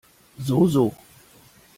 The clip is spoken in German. So, so.